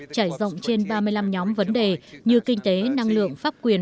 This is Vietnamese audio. trải rộng trên ba mươi năm nhóm vấn đề như kinh tế năng lượng pháp quyền